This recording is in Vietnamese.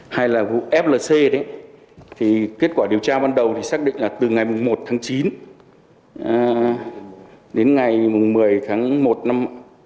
hay là vụ flc đấy thì kết quả điều tra ban đầu thì xác định là từ ngày một tháng chín đến ngày một mươi tháng một năm hai nghìn một mươi chín